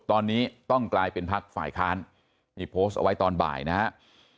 ตอนนี้ต้องกลายเป็นพักฝ่ายค้านนี่โพสต์เอาไว้ตอนบ่ายนะครับ